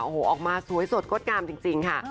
โอ้โหออกมาสวยสดงดงามจริงค่ะ